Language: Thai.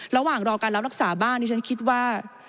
ระหว่างรอการรับรักษาบ้างดิฉันคิดว่า